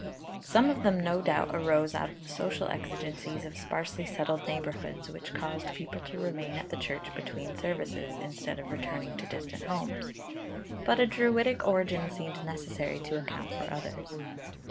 Some of them no doubt arose out of the social exigencies of sparsely settled neighbourhoods, which caused people to remain at the church between services, instead of returning to distant homes; but a Druidic origin seems necessary to account for others.